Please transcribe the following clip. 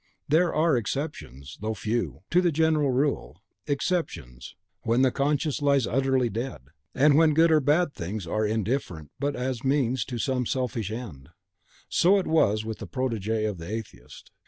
But there are exceptions, though few, to the general rule, exceptions, when the conscience lies utterly dead, and when good or bad are things indifferent but as means to some selfish end. So was it with the protege of the atheist.